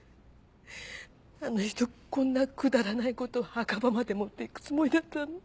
あの人こんなくだらない事を墓場まで持っていくつもりだったの？